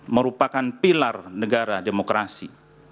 merupakan pilar negara demokrasi